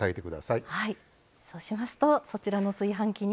そうしますとそちらの炊飯器に。